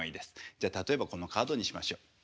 じゃあ例えばこのカードにしましょう。